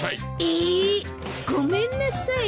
えっ！ごめんなさい。